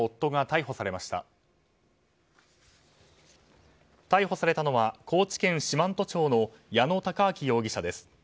逮捕されたのは高知県四万十町の矢野孝昭容疑者です。